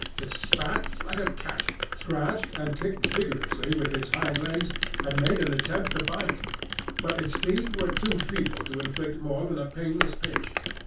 It spat like a cat, scratched and kicked vigorously with its hind legs, and made an attempt to bite; but its teeth were too feeble to inflict more than a painless pinch.